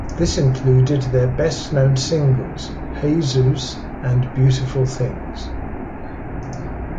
This included their best known singles: "Hey Seuss" and "Beautiful Things".